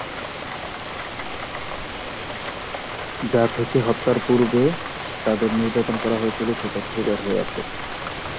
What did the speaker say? যা থেকে হত্যার পূর্বে তাদের নির্যাতন করা হয়েছিল সে তথ্যও বের হয়ে আসে।